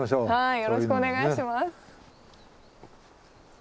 よろしくお願いします。